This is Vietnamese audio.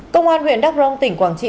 công an huyện đắk rông tỉnh quảng trị